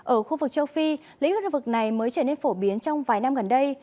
ở khu vực châu phi lĩnh vực này mới trở nên phổ biến trong vài năm gần đây